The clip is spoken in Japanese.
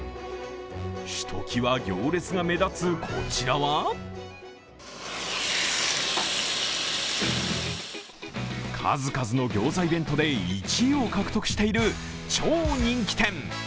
ひときわ行列が目立つこちらは数々の餃子イベントで１位を獲得している超人気店。